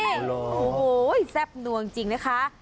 โอ้โหแซ่บนัวจริงนะคะ